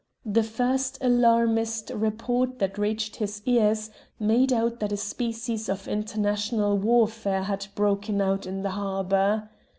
The first alarmist report that reached his ears made out that a species of international warfare had broken out in the harbour.